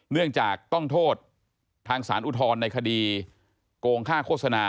เนื่องจากต้องโทษทางสารอุทธรณ์ในคดีโกงค่าโฆษณา